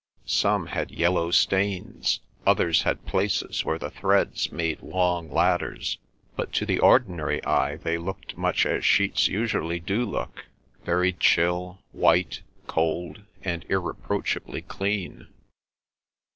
Some had yellow stains, others had places where the threads made long ladders; but to the ordinary eye they looked much as sheets usually do look, very chill, white, cold, and irreproachably clean.